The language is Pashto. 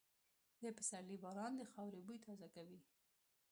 د پسرلي باران د خاورې بوی تازه کوي.